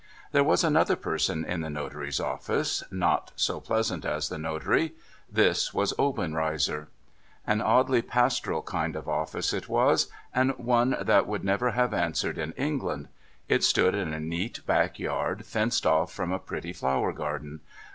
• There was another person in the notary's office, not so pleasant as the notary. This was Obenreizer. An oddly pastoral kind of office it was, and one that would never have answered in England. It stood in a neat back yard, fenced off from a pretty flower garden.